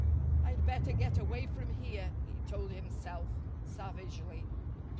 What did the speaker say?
"I'd better get away from here," he told himself savagely.